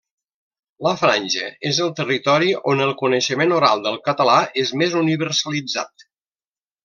La Franja és el territori on el coneixement oral del català és el més universalitzat.